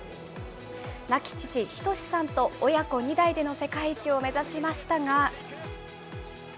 亡き父、仁さんと親子２代での世界一を目指しましたが。